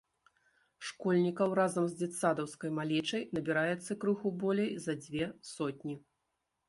Школьнікаў разам з дзетсадаўскай малечай набіраецца крыху болей за дзве сотні.